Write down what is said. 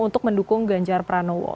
untuk mendukung ganjar pranowo